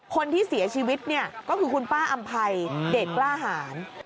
คนที่เสียชีวิตก็คือคุณป้าอำไพยเด็กล่าหาญ